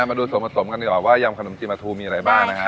มาดูส่วนผสมกันกันก่อนว่ายำขนมจีนปลาทูมีอะไรบ้าง